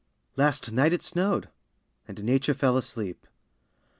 Last night it snowed; and Nature fell asleep.